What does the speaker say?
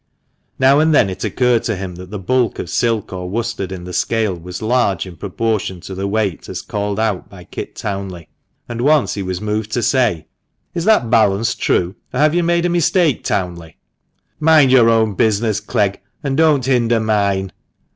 Now and then it occurred to him that the bulk of silk or worsted in the scale was large in proportion to the weight, as called out by Kit Townley, and once he was moved to say — "Is that balance true? or have you made a mistake, Townley?" " Mind your own business, Clegg, and don't hinder mine.